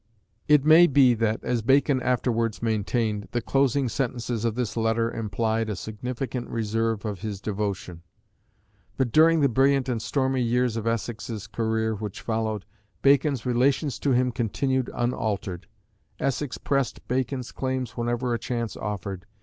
It may be that, as Bacon afterwards maintained, the closing sentences of this letter implied a significant reserve of his devotion. But during the brilliant and stormy years of Essex's career which followed, Bacon's relations to him continued unaltered. Essex pressed Bacon's claims whenever a chance offered.